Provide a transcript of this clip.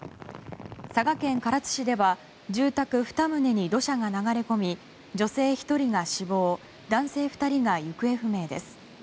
佐賀県唐津市では住宅２棟に土砂が流れ込み女性１人が死亡男性２人が行方不明です。